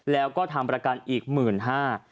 แล้วก็ทำประกันอีก๑๕๐๐๐บาท